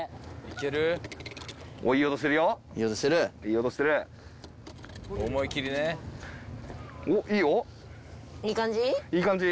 いい感じ？